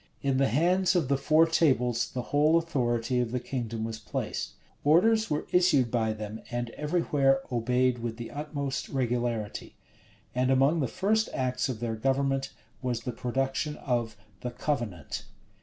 In the hands of the four tables the whole authority of the kingdom was placed. Orders were issued by them, and every where obeyed with the utmost regularity.[] And among the first acts of their government was the production of the "Covenant."